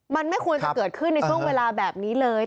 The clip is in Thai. มันไม่ควรจะเกิดขึ้นในช่วงเวลาแบบนี้เลย